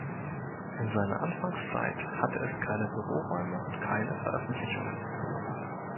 In seiner Anfangszeit hatte es keine Büroräume und keine Veröffentlichungen.